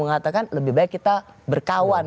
mengatakan lebih baik kita berkawan